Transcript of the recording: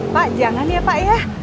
pak jangan ya pak ya